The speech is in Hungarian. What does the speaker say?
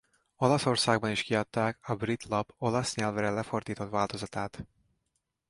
Olaszországban is kiadták a brit lap olasz nyelvre lefordított változatát.